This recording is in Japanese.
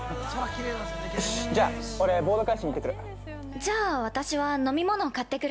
よし、じゃあ俺、ボード返しに行ってくる！